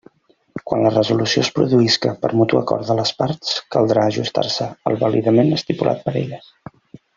Quan la resolució es produïsca per mutu acord de les parts, caldrà ajustar-se al vàlidament estipulat per elles.